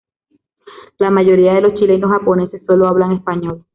La mayoría de los chilenos japoneses sólo hablan español.